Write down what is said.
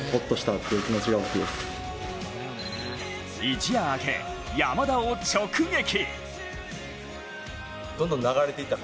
一夜明け、山田を直撃。